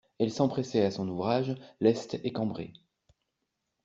Elle s'empressait à son ouvrage, leste et cambrée.